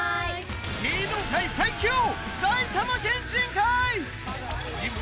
芸能界最強！埼玉県人会！